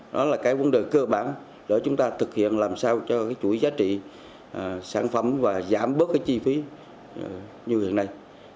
đó là vấn đề cơ bản để chúng ta thực hiện làm sao cho chuỗi giá trị sản phẩm và giảm bớt chi phí như hiện nay